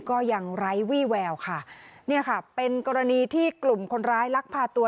ก็ยังไร้วี่แววค่ะเนี่ยค่ะเป็นกรณีที่กลุ่มคนร้ายลักพาตัว